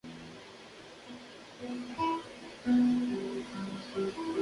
Esta planta se origina de cortes de una planta silvestre creciendo en una carretera.